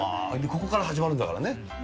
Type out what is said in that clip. ここから始まるんだからね。